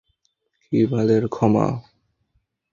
কি বালের ক্ষমা?